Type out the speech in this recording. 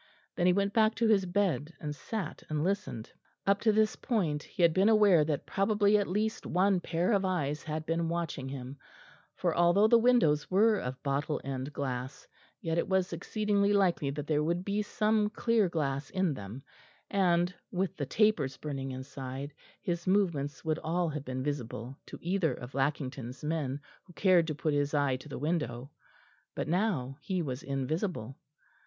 Then he went back to his bed, and sat and listened. Up to this point he had been aware that probably at least one pair of eyes had been watching him; for, although the windows were of bottle end glass, yet it was exceedingly likely that there would be some clear glass in them; and, with the tapers burning inside, his movements would all have been visible to either of Lackington's men who cared to put his eye to the window. But now he was invisible.